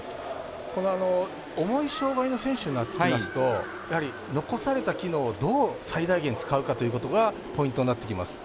この重い障がいの選手になってきますとやはり残された機能をどう最大限使うかということがポイントになってきます。